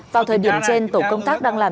vào thời điểm trên tổ công tác đang làm